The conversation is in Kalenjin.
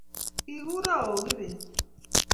kigureo kIbet